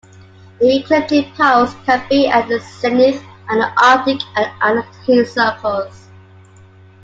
The ecliptic poles can be at the zenith on the Arctic and Antarctic Circles.